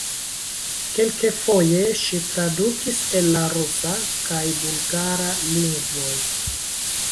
Kelkfoje ŝi tradukis el la rusa kaj bulgara lingvoj.